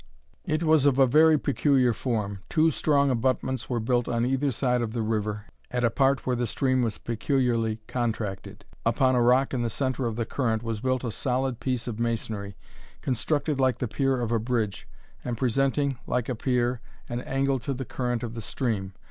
It was of a very peculiar form. Two strong abutments were built on either side of the river, at a part where the stream was peculiarly contracted. Upon a rock in the centre of the current was built a solid piece of masonry, constructed like the pier of a bridge, and presenting, like a pier, an angle to the current of the stream.